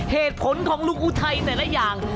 เหตุผลของลุงอุทัยแต่ละอย่าง